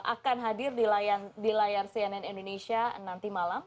akan hadir di layar cnn indonesia nanti malam